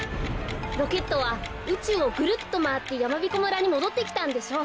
ロケットはうちゅうをぐるっとまわってやまびこ村にもどってきたんでしょう。